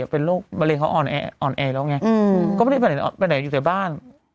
เป็นโรคบริเวณเขาอ่อนแออ่อนแอแล้วไงก็ไม่ได้ไปไหนอยู่ในบ้าน